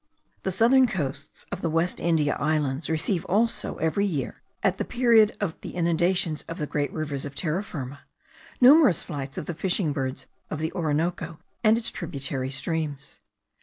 The southern coasts of the West India Islands receive also every year, at the period of the inundations of the great rivers of Terra Firma, numerous flights of the fishing birds of the Orinoco, and of its tributary streams.